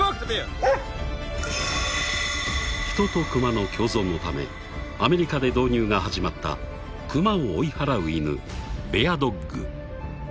［人とクマの共存のためアメリカで導入が始まったクマを追い払うイヌベアドッグ］